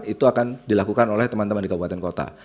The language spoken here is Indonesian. itu akan dilakukan oleh teman teman di kabupaten kota